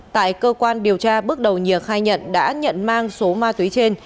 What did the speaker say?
tại cơ quan điều tra bước đầu nhiệt khai nhận đã nhận mang số ma túy trên